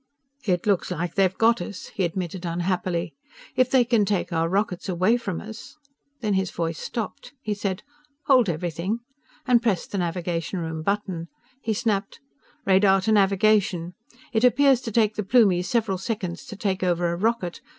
"It looks like they've got us," he admitted unhappily. "If they can take our rockets away from us " Then his voice stopped. He said, "Hold everything!" and pressed the navigation room button. He snapped: "Radar to navigation. It appears to take the Plumies several seconds to take over a rocket.